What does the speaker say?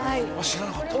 知らなかった。